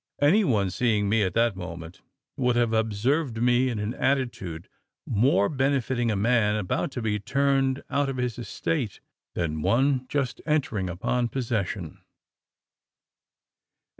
Any one, seeing me at that moment, would have observed me in an attitude, more benefiting a man about to be turned out of his estate, than one just entering upon possession!